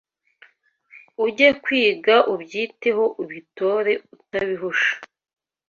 Ujye kwiga ubyiteho Ubitore utabihusha